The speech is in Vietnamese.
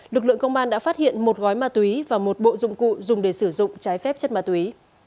lực lượng công an đã phát hiện một gói ma túy và một bộ dụng cụ dùng để sử dụng trái phép chất ma túy